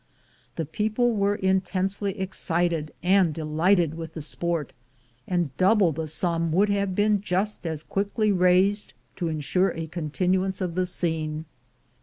The people were intensely excited and delighted with the sport, and double the sum would have been just as quickly raised to insure a continuance of the scene.